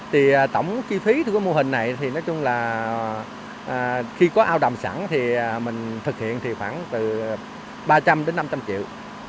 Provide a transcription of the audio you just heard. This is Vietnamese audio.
thì tổng chi phí của mô hình này thì nói chung là khi có ao đầm sẵn thì mình thực hiện khoảng từ ba trăm linh năm trăm linh triệu